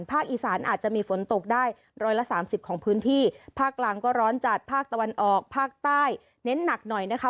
อีสานอาจจะมีฝนตกได้ร้อยละสามสิบของพื้นที่ภาคกลางก็ร้อนจัดภาคตะวันออกภาคใต้เน้นหนักหน่อยนะคะ